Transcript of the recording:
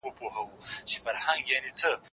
زه پرون بازار ته ځم وم؟